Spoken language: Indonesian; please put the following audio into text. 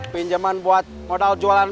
pinjaman buat modal jualan